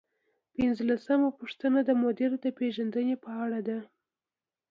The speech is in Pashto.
پنځلسمه پوښتنه د مدیر د پیژندنې په اړه ده.